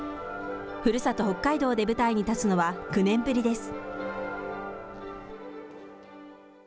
ふるさと、北海道で舞台に立つのは９年ぶりです。